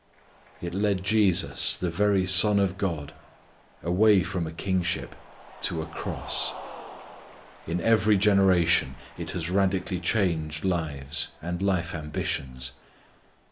It led Jesus the very Son of God, away from a kingship to a cross. In every generation it has radically changed lives, and life ambitions.